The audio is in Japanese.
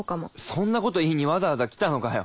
そんなこと言いにわざわざ来たのかよ。